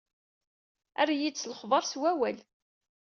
Err-iyi-d s lexber s usawal.